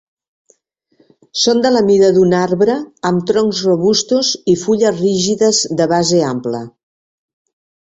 Són de la mida d'un arbre amb troncs robustos i fulles rígides de base ampla.